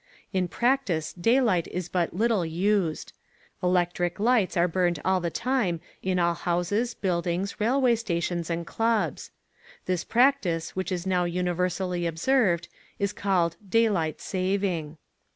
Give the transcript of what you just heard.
In practice daylight is but little used. Electric lights are burned all the time in all houses, buildings, railway stations and clubs. This practice which is now universally observed is called Daylight Saving.